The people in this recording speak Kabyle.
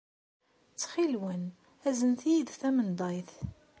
Ttxil-wen, aznet-iyi-d tamenḍayt.